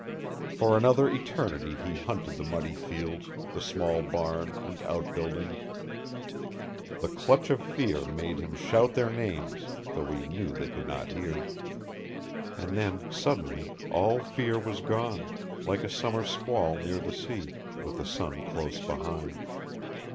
For another eternity he hunted the muddy fields, the small barn and outbuildings. The clutch of fear made him shout their names, though he knew they could not hear. And then, suddenly, all fear was gone like a summer squall near the sea, with the sun close behind.